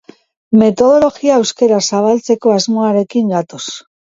Metodologia euskaraz zabaltzeko asmoarekin gatoz.